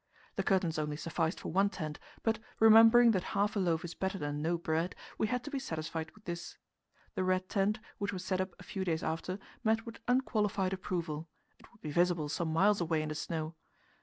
The curtains only sufficed for one tent, but, remembering that half a loaf is better than no bread, we had to be satisfied with this. The red tent, which was set up a few days after, met with unqualified approval; it would be visible some miles away in the snow.